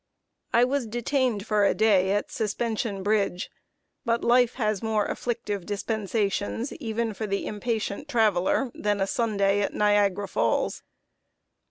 I was detained for a day at Suspension Bridge; but life has more afflictive dispensations, even for the impatient traveler, than a Sunday at Niagara Falls.